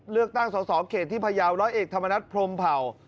เลือกตั้งสอสอเขตที่พยาวร้อยเอกธรรมนัฐพรมเผ่า